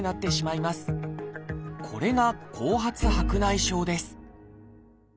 これが「後発白内障」です